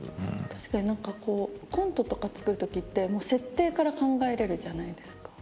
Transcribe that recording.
確かに何かこうコントとかつくるときって設定から考えれるじゃないですか。